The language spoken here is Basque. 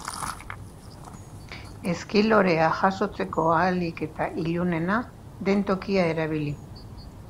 Ezki lorea jasotzeko ahalik eta ilunena den tokia erabili.